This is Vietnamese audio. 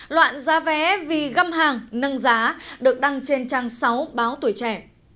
loạn giá vé vì găm hàng nâng giá được đăng trên trang sáu báo tuổi trẻ